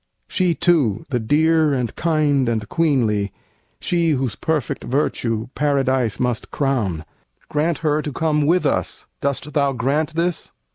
She, too, the dear and kind and queenly, she Whose perfect virtue Paradise must crown, Grant her to come with us! Dost thou grant this?"